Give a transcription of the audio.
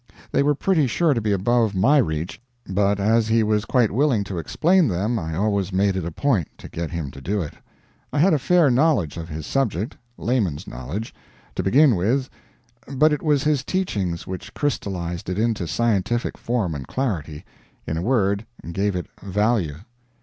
They were pretty sure to be above my reach, but as he was quite willing to explain them I always made it a point to get him to do it. I had a fair knowledge of his subject layman's knowledge to begin with, but it was his teachings which crystalized it into scientific form and clarity in a word, gave it value.